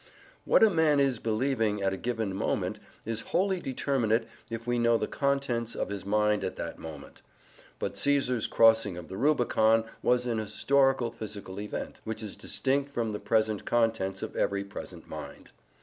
What a man is believing at a given moment is wholly determinate if we know the contents of his mind at that moment; but Caesar's crossing of the Rubicon was an historical physical event, which is distinct from the present contents of every present mind.